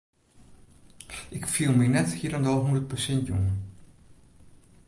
Ik fiel my net hielendal hûndert persint jûn.